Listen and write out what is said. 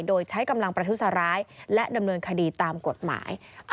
โดยใช้กำลังประทุสาร้าย